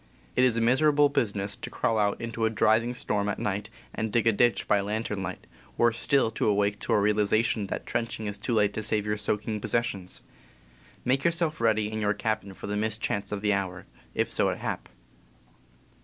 It is miserable business to crawl out into a driving storm at night and dig a ditch by lantern light — worse still to awake to a realization that trenching is too late to save your soaking possessions. "Make yourself ready in your cabin for the mischance of the hour, if so it hap."